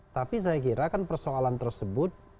tapi saya kira kan persoalan tersebut